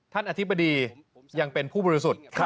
อธิบดียังเป็นผู้บริสุทธิ์